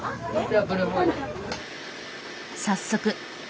早速。